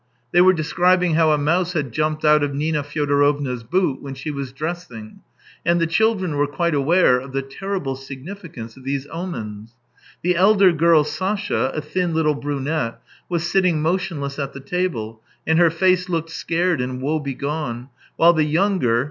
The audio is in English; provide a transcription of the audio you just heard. They were describing how a mouse had jumped out of Nina Fyodorovr^a's boot when she. was dressing. And the children were quite aware of the terrible significance of these omens. The elder girl, Sasha, a thin little brunette, was sitting motionless at the table, and her face looked scared and woebegone, while the younger.